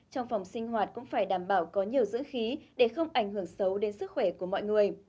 trong phòng sinh hoạt cũng phải đảm bảo có nhiều dữ để không ảnh hưởng xấu đến sức khỏe của mọi người